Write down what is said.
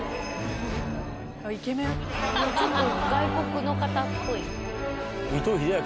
・ちょっと外国の方っぽい。